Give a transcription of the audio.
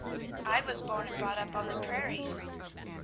"I was born and brought up on the prairies."